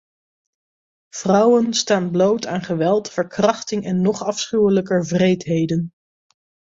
Vrouwen staan bloot aan geweld, verkrachting en nog afschuwelijker wreedheden.